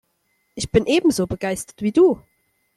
Ich bin ebenso begeistert wie du.